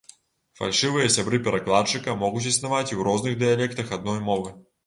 Фальшывыя сябры перакладчыка могуць існаваць і ў розных дыялектах адной мовы.